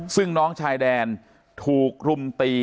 ซึ่งน้องชายแดนถูกรุมตี